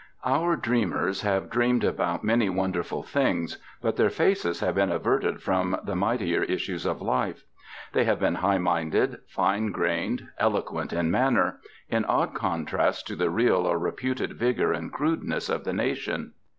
Our dreamers have dreamed about many wonderful things, but their faces have been averted from the mightier issues of life. They have been high minded, fine grained, eloquent in manner, in odd contrast to the real or reputed vigor and crudeness of the nation.